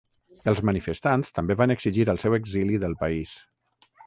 Els manifestants també van exigir el seu exili del país.